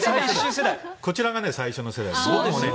こちらが最初の世代。